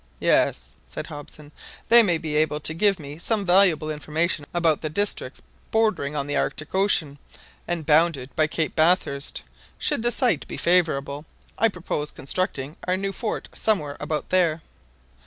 "Yes," said Hobson; they may be able to give me some valuable information about the districts bordering on the Arctic Ocean, and bounded by Cape Bathurst. Should the site be favourable, I propose constructing our new fort somewhere about there."